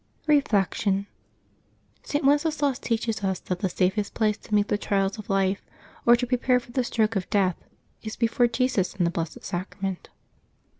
Reflection. — St. Wenceslas teaches us that the safest place to meet the trials of life, or to prepare for the stroke of death, is before Jesus in the Blessed Sacrament.